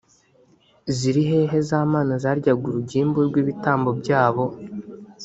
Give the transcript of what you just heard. ziri hehe za mana zaryaga urugimbu rw’ibitambo byabo.